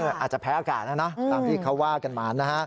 ใช่ค่ะอาจจะแพ้อากาศนะตามที่เขาว่ากันหวาน